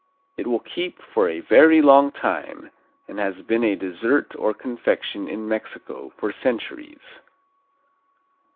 It will keep for a very long time and has been a dessert or confection in Mexico for centuries.